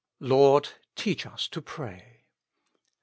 "Lord, teach us to pray."